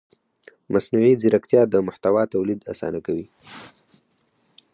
مصنوعي ځیرکتیا د محتوا تولید اسانه کوي.